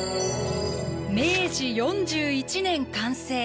明治４１年完成